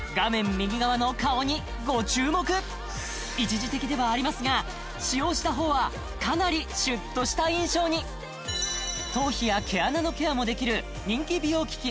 右側の顔にご注目一時的ではありますが使用した方はかなりシュッとした印象に頭皮や毛穴のケアもできる人気美容機器